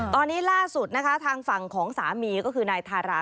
ตอนนี้ล่าสุดนะคะทางฝั่งของสามีก็คือนายทารา